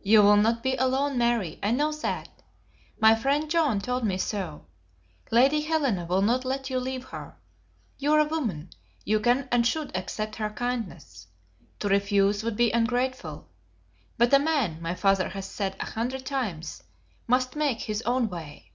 "You will not be alone, Mary, I know that. My friend John told me so. Lady Helena will not let you leave her. You are a woman; you can and should accept her kindness. To refuse would be ungrateful, but a man, my father has said a hundred times, must make his own way."